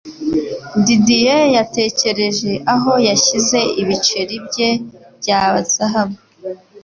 Didier yatekereje aho yashyize ibiceri bye bya zahabu